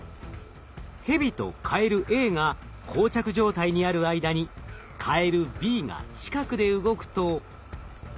ヘビとカエルＡがこう着状態にある間にカエルＢが近くで動くと。